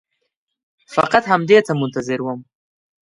فقط همدې ته منتظر وم.